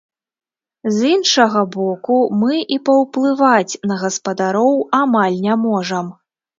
З іншага боку, мы і паўплываць на гаспадароў амаль не можам.